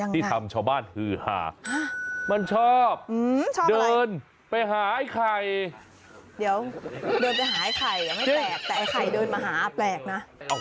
ที่ทำชาวบ้านฮือหามันชอบเดินไปหาไอ้ไข่เดี๋ยวเดินไปหาไอ้ไข่ไม่แปลกแต่ไอ้ไข่เดินมาหาแปลกนะ